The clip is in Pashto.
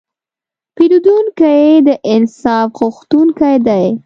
پیرودونکی د انصاف غوښتونکی دی.